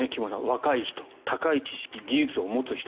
若い人、高い技術を持つ人